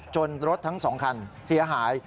รถทั้ง๒คันเสียหาย